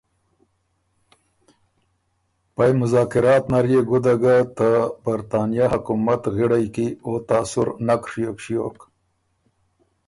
پئ مذاکرات نر يې ګُده ګۀ ته برطانیه حکومت غِړئ کی او تاثر نک ڒیوک ݭیوک